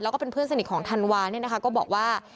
แล้วก็เป็นเพื่อนสนิทของธันวาเนี่ยนะคะก็บอกว่า